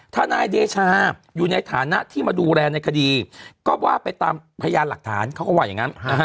ทนายเดชาอยู่ในฐานะที่มาดูแลในคดีก็ว่าไปตามพยานหลักฐานเขาก็ว่าอย่างนั้น